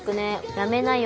「やめなよ」